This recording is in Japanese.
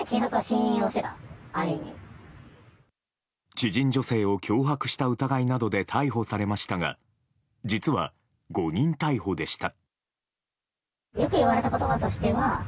知人女性を脅迫した疑いなどで逮捕されましたが実は、誤認逮捕でした。